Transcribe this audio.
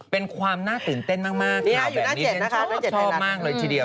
เป็นความน่าตื่นเต้นมาก